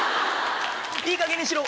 いいかげんにしろ！